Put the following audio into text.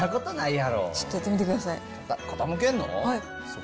ちょっとやってみてください傾けるの？